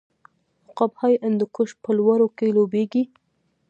عقاب های هندوکش په لوړو کې لوبیږي.